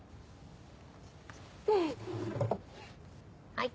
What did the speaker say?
はい。